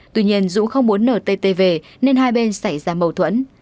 tuy nhiên dũ không muốn ntt về nên hai bên xảy ra mâu thuẫn